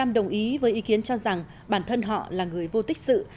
năm mươi tám đồng ý với ý kiến cho rằng bản thân họ là người vô tích sự